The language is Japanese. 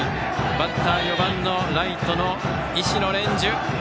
バッター４番のライトの石野蓮授。